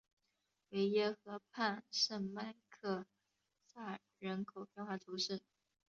维耶河畔圣迈克桑人口变化图示